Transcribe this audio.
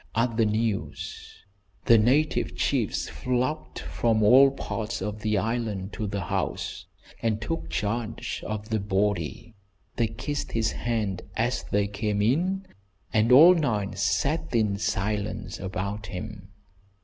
At the news the native chiefs flocked from all parts of the island to the house, and took charge of the body. They kissed his hand as they came in, and all night sat in silence about him.